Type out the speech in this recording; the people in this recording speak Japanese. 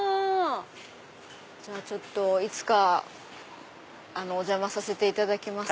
じゃあいつかお邪魔させていただきます。